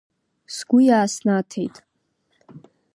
Сгәы иааснаҭеит.